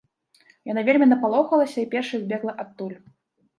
Яна вельмі напалохалася і першай збегла адтуль.